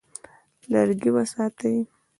لرګي وساتئ.